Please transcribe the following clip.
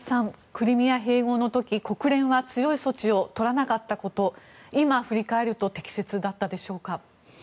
クリミア併合の時、国連は強い措置を取らなかったこと今を振り返ると適切だったでしょうか？